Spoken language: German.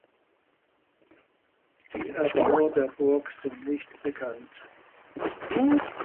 Die Erbauer der Burg sind nicht bekannt.